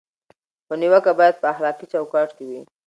خو نیوکه باید په اخلاقي چوکاټ کې وي.